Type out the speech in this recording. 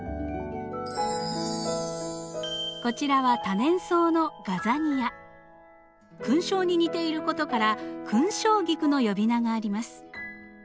こちらは勲章に似ていることから勲章菊の呼び名があります。